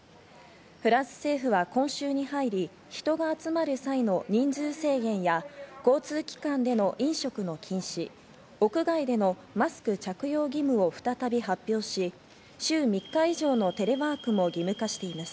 フランス政府は今週に入り、人が集まる際の人数制限や交通機関での飲食の禁止、屋外でのマスク着用義務を再び発表し、週３日以上のテレワークも義務化しています。